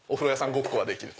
ごっこができる。